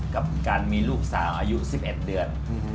กับการมีลูกสาวอายุ๑๑เดือน